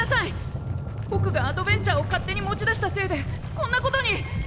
ぼくがアドベン茶を勝手に持ち出したせいでこんなことに。